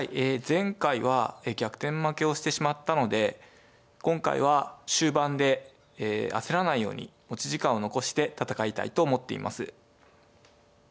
前回は逆転負けをしてしまったので今回は終盤で焦らないように持ち時間を残して戦いたいと思っています。